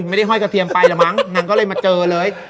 ไม่ได้ห้อยกระเทียมไปละมั้งนางก็เลยมาเจอเลย